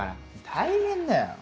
大変だよ。